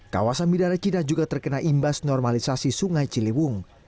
kawasan bidara cina juga terkena imbas normalisasi sungai ciliwung